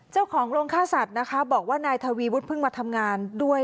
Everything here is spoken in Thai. เจ้าของโรงฆ่าสัตว์นะคะบอกว่านายทวีวุฒิเพิ่งมาทำงานด้วย